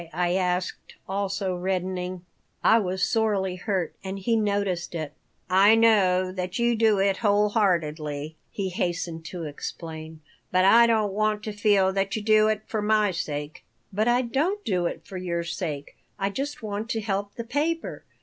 I asked, also reddening I was sorely hurt and he noticed it "I know that you do it whole heartedly," he hastened to explain, "but I don't want to feel that you do it for my sake." "But I don't do it for your sake. I just want to help the paper.